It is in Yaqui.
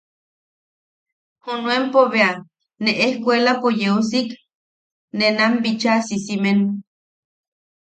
Junuenpo bea, ne ejkuelapo yeu sik, ne nam bichaa sisimen.